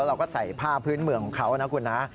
เราก็ใส่ผ้าพื้นเมืองของเขานะคุณนะ